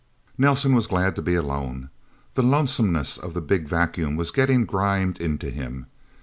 Nelsen was glad to be alone. The lonesomeness of the Big Vacuum was getting grimed into him.